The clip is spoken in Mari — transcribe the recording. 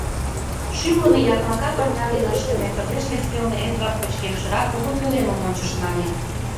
Шӱмлымӧ яклака пырня дене ыштыме кыдеж вес велне Эдвард пычкемышрак кугу пӧлемым ончышт нале.